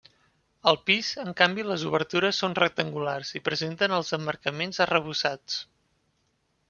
Al pis, en canvi, les obertures són rectangulars i presenten els emmarcaments arrebossats.